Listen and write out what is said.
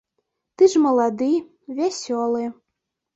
Ты ж малады, вясёлы.